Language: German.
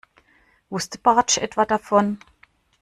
Wusste Bartsch etwa davon?